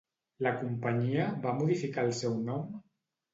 La companyia va modificar el seu nom?